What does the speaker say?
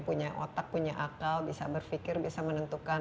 punya otak punya akal bisa berpikir bisa menentukan